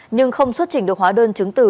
nhưng không xuất trình được hóa đơn chứng từ